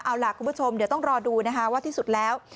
เอาล่ะคุณผู้ชมเดี๋ยวต้องรอดูนะคะว่าที่สุดแล้ว